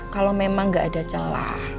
kalau memang nggak ada celah